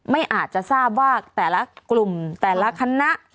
ไม่อาจจะทราบว่าแต่ละกลุ่มแต่ละคณะ